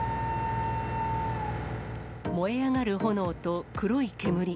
燃え上がる炎と黒い煙。